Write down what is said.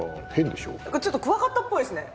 ちょっとクワガタっぽいですね。